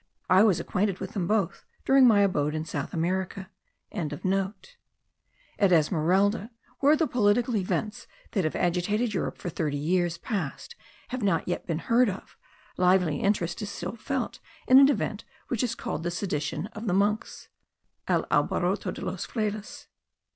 I was acquainted with them both during my abode in South America.) At Esmeralda, where the political events that have agitated Europe for thirty years past have not yet been heard of, lively interest is still felt in an event which is called the sedition of the monks, (el alboroto de los frailes.)